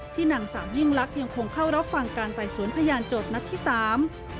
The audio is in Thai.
นางสาวยิ่งลักษณ์ยังคงเข้ารับฟังการไต่สวนพยานโจทย์นัดที่สาม